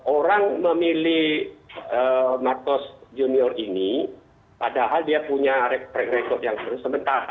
orang memilih marcos junior ini padahal dia punya rekod yang sebentar